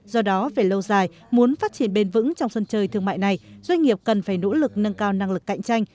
do đó về lâu dài muốn phát triển bền vững trong sân chơi thương mại này doanh nghiệp cần phải nỗ lực nâng cao năng lực cạnh tranh